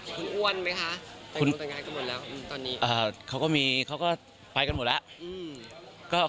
คุณอ้วนไหมคะตอนนี้เขาก็มีเขาก็ไปกันหมดแล้วอืม